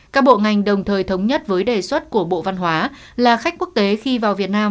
các bộ ngành đồng thời thống nhất với đề xuất của bộ văn hóa là khách quốc tế khi vào việt nam